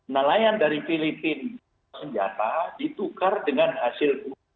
nalayan dari filipina senjata ditukar dengan hasil buku